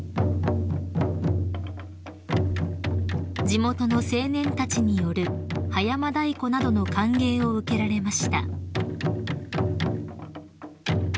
［地元の青年たちによる葉山太鼓などの歓迎を受けられました］